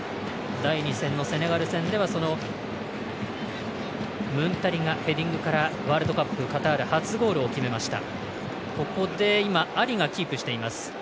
第２戦のセネガル戦ではムンタリがヘディングからワールドカップカタール初ゴールを決めました。